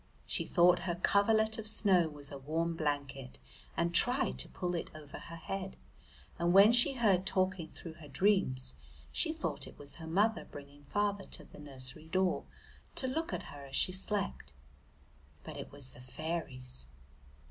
She thought her coverlet of snow was a warm blanket, and tried to pull it over her head. And when she heard talking through her dreams she thought it was mother bringing father to the nursery door to look at her as she slept. But it was the fairies.